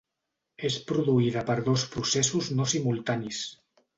És produïda per dos processos no simultanis.